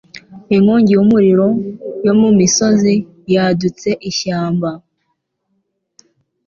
Inkongi y'umuriro yo mu misozi yadutse ishyamba.